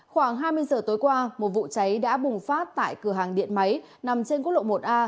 khoảng hai mươi giờ tối qua một vụ cháy đã bùng phát tại cửa hàng điện máy nằm trên quốc lộ một a